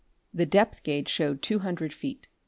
The depth gauge showed two hundred feet.